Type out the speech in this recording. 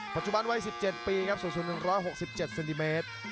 ปัจจุบันวัย๑๗ปีครับสูง๑๖๗เซนติเมตร